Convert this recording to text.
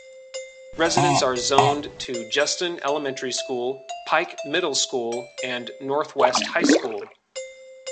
Residents are zoned to Justin Elementary School, Pike Middle School, and Northwest High School.